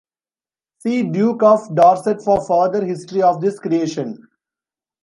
See Duke of Dorset for further history of this creation.